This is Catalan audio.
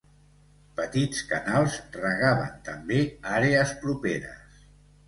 Petits canals regaven també àrees properes.